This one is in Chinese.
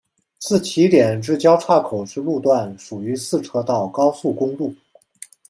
自起点至交叉口之路段属于四车道高速公路。